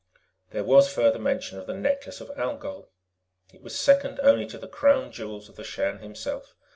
_ There was further mention of the Necklace of Algol; it was second only to the Crown Jewels of the Shan himself.